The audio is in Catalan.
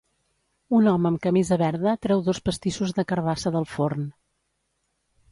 Un home amb camisa verda treu dos pastissos de carbassa del forn.